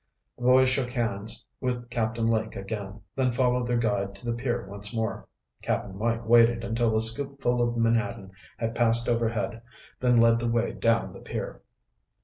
The boys shook hands with Captain Lake again, then followed their guide to the pier once more. Cap'n Mike waited until a scoopful of menhaden had passed overhead then led the way down the pier.